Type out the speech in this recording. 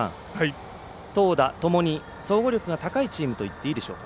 投打ともに総合力の高いチームといっていいでしょうか。